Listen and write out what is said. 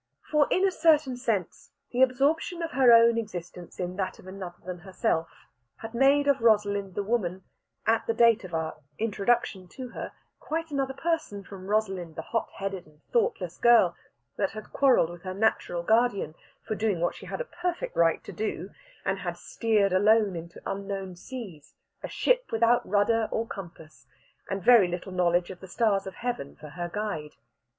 For in a certain sense the absorption of her own existence in that of another than herself had made of Rosalind the woman, at the date of our introduction to her, quite another person from Rosalind the hot headed and thoughtless girl that had quarrelled with her natural guardian for doing what she had a perfect right to do, and had steered alone into unknown seas, a ship without a rudder or a compass, and very little knowledge of the stars of heaven for her guide.